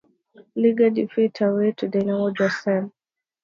Liga defeat away to Dynamo Dresden.